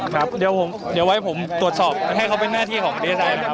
ครับเดี๋ยวผมเดี๋ยวไว้ผมตรวจสอบให้เขาเป็นหน้าที่ของดีไอบนะครับขอบคุณนะครับ